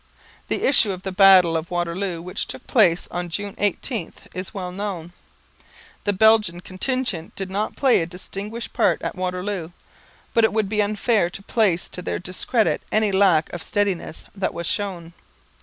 The issue of the battle of Waterloo, which took place on June 18, is well known. The Belgian contingent did not play a distinguished part at Waterloo, but it would be unfair to place to their discredit any lack of steadiness that was shown.